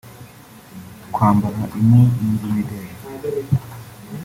kwambara impu n’indi mideli